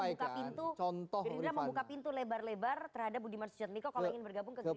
jadi kalau kemudian gerindra membuka pintu lebar lebar terhadap budiman suciadmiko kalau ingin bergabung ke gerindra